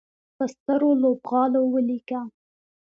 په سترو لوبغالو ولیکه